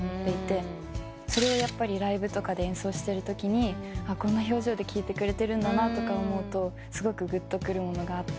それをやっぱりライブとかで演奏してるときにこんな表情で聴いてくれてるんだと思うとすごくぐっとくるものがあって。